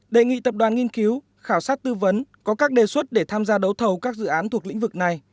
đề nghị tập đoàn nghiên cứu khảo sát tư vấn có các đề xuất để tham gia đấu thầu các dự án thuộc lĩnh vực này